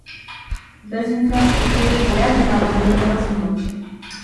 Bez infrastruktury pojazdy na wodór nie rozwiną się